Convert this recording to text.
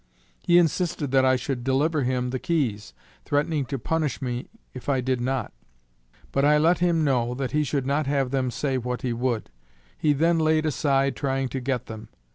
He insisted that I should deliver him the keys, threatening to punish me if I did not. But I let him know that he should not have them say what he would. He then laid aside trying to get them.